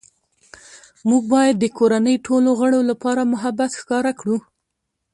موږ باید د کورنۍ ټولو غړو لپاره محبت ښکاره کړو